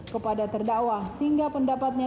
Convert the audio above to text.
kepada terdakwa sehingga pendapatnya